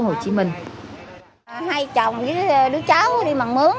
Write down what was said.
hai chồng với đứa cháu đi mặn mướn